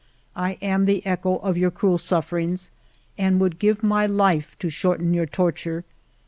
I am the echo of your cruel sufferings and would give my life to shorten your torture.